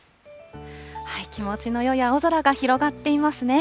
気持ちのよい青空が広がっていますね。